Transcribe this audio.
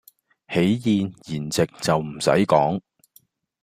喜宴筵席就唔使講